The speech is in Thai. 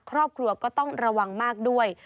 ครอบครัวก็ต้องระวังมากด้วย